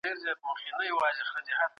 د هغه څه په اړه مه ږغیږئ چي نه پرې پوهیږئ.